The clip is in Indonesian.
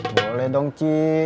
boleh dong ci